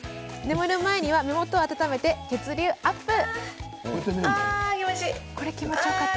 眠る前には目元を温めて血流アップ。